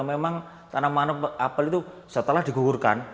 memang tanaman apel itu setelah digugurkan